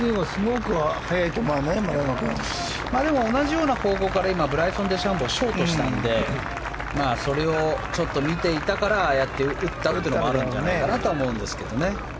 同じような方向からブライソン・デシャンボーはショートしたのでそれを見ていたからああやって打ったっていうのはあるんじゃないかと思うんですけどね。